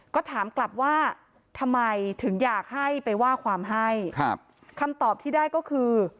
ก็ถามกลับว่าทำไมถึงอยากให้ไปว่าความให้ครับคำตอบที่ได้ก็คือ